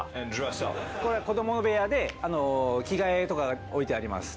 これは子ども部屋で着替えとか置いてあります。